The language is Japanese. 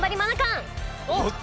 おっ！